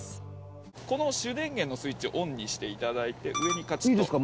この主電源のスイッチをオンにして頂いて上にカチッと。